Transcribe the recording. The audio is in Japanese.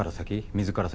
水から先？